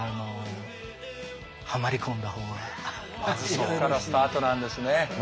まずそこからスタートなんですね。